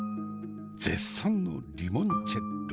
絶賛のリモンチェッロ。